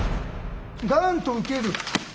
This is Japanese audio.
ダン！と受ける。